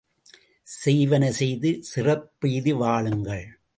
செய்வன செய்து சிறப்பெய்தி வாழுங்கள்.